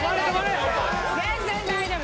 全然大丈夫。